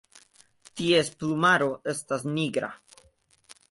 Ties plumaro estas nigra.